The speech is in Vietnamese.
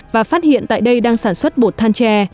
và phát hiện tại đây đang sản xuất bột than tre